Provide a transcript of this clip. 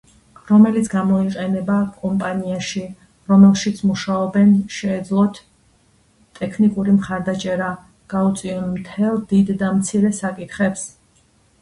რომელიც გამოიყენება კომპანიაში რომელშიც მუშაობენ შეეძლოთ ტექნიკური მხარდაჭერა გაუწიონ მთელ დიდ და მცირე საკითხებს.